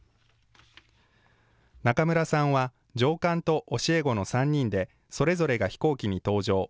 中村さんは上官と教え子の３人で、それぞれが飛行機に搭乗。